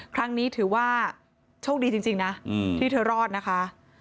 ครั้งนี้ถือว่าโชคดีจริงนะที่เธอรอดนะคะ